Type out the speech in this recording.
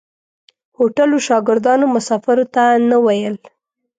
هوټلو شاګردانو مسافرو ته نه ویل.